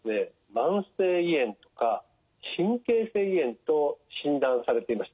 慢性胃炎とか神経性胃炎と診断されていました。